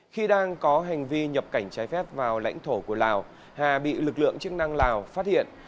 khi đang có hành vi nhập cảnh trái phép vào lãnh thổ của lào hà bị lực lượng chức năng lào phát hiện